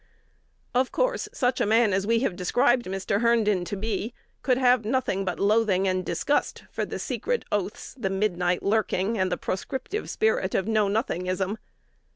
Of course such a man as we have described Mr. Herndon to be could have nothing but loathing and disgust for the secret oaths, the midnight lurking, and the proscriptive spirit of Know Nothingism.